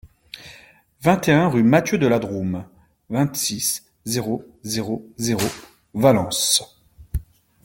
vingt et un rue Mathieu de la Drôme, vingt-six, zéro zéro zéro, Valence